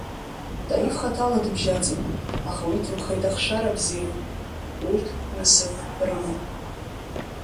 Таиф хаҭала дыбжьаӡит, аха уи иҭынхеит ахшара бзиа, урҭ насыԥ рымоуп.